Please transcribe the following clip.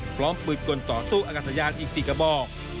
พร้อมปืนกลต่อสู้อากาศยานอีก๔กระบอก